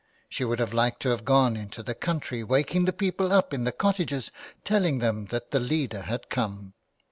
She would have liked to have gone into the country waking the people up in the cottages, telling them that the leader had come.